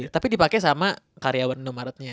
tapi dipakai sama karyawan nomartnya